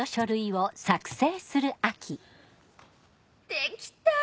できた！